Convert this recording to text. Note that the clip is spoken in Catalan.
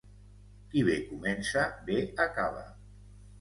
Qui bé comença, bé acaba.